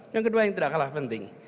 yang kedua yang tidak kalah penting